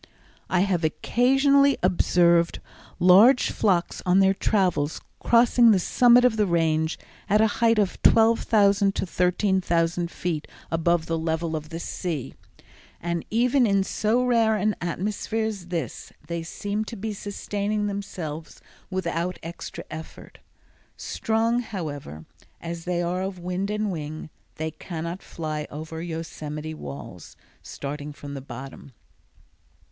I have occasionally observed large flocks on their travels crossing the summits of the Range at a height of 12,000 to 13,000 feet above the level of the sea, and even in so rare an atmosphere as this they seemed to be sustaining themselves without extra effort. Strong, however, as they are of wind and wing, they cannot fly over Yosemite walls, starting from the bottom.